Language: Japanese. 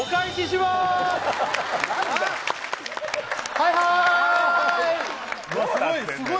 はいはーい。